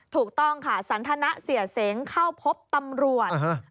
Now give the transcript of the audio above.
ถูกต้องค่ะสันทนะเสียเสงเข้าพบตำรวจ